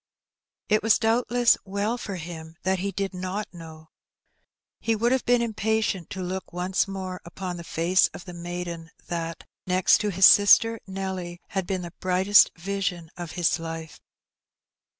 It was doubtless well for him that he did not know. He would have been impatient to look once more upon the face of the maiden that, next to his sister Nelly, had been the brightest vision of his life.